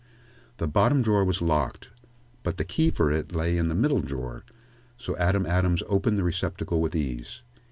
The bottom drawer was locked, but the key for it lay in the middle drawer, so Adam Adams opened the receptacle with ease.